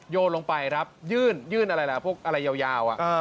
โยนลงไปครับยื่นยื่นอะไรล่ะพวกอะไรยาว